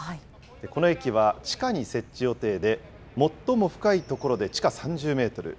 この駅は地下に設置予定で、最も深い所で地下３０メートル。